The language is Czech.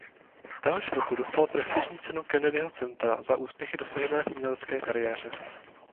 Téhož roku dostal prestižní cenu Kennedyho centra za úspěchy dosažené v umělecké kariéře.